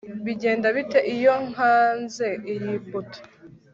Bigenda bite iyo nkanze iyi buto